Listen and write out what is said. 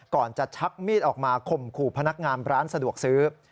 ก่อนจะชักมีดออกมาข่มขู่พนักงานร้านสะดวกซื้อ